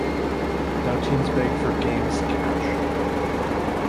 Now teams begged for "Game"'s cash.